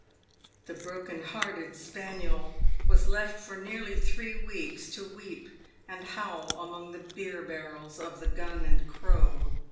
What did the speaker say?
The broken hearted spaniel was left for nearly three weeks to weep and howl among the beer barrels of the " Gun and Crow."